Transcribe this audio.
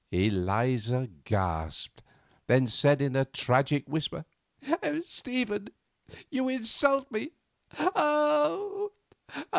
Eliza gasped, then said in a tragic whisper, "Stephen, you insult me. Oh!